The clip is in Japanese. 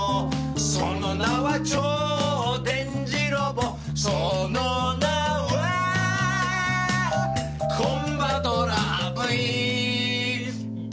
「その名は超電磁ロボ」「その名はコン・バトラーＶＶ！」